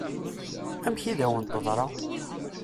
Amek i d-awen-teḍṛa?